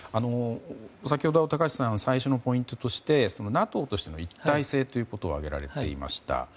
先ほど、高橋さんは最初のポイントとしてＮＡＴＯとしての一体性ということを挙げられていました。